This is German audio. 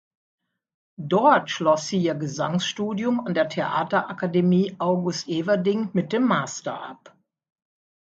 Dort schloss sie ihr Gesangsstudium an der Theaterakademie August Everding mit dem Master ab.